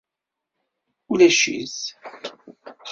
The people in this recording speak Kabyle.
Ulac-it